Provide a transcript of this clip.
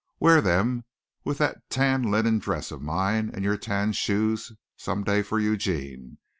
"Wear them with that tan linen dress of mine and your tan shoes some day for Eugene.